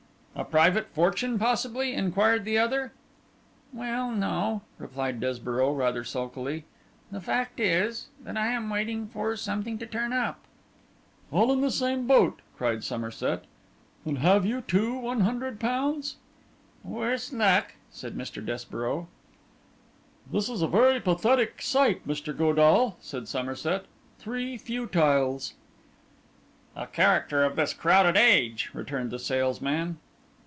'A private fortune possibly?' inquired the other. 'Well, no,' replied Desborough, rather sulkily. 'The fact is that I am waiting for something to turn up.' 'All in the same boat!' cried Somerset. 'And have you, too, one hundred pounds?' 'Worse luck,' said Mr. Desborough. 'This is a very pathetic sight, Mr. Godall,' said Somerset: 'Three futiles.' 'A character of this crowded age,' returned the salesman.